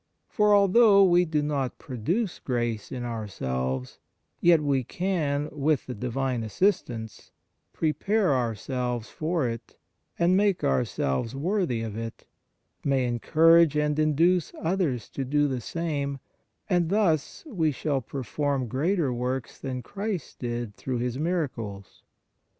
For although we do not produce grace in ourselves, yet we can, with the Divine assistance, prepare our selves for it and make ourselves worthy 7 THE MARVELS OF DIVINE GRACE of it ; may encourage and induce others to do the same, and thus we shall perform greater works than Christ did through His miracles."